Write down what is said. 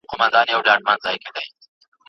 د وخت په تېرېدو سره اقتصادي نظرونه بدليږي.